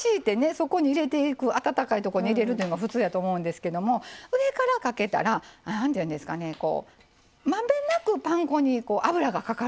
そこに入れていく温かいとこに入れるというんが普通やと思うんですけども上からかけたら何ていうんですかねまんべんなくパン粉に油がかかるんです。